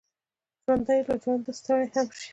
ژوندي له ژونده ستړي هم شي